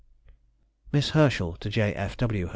MISS HERSCHEL TO J. F. W.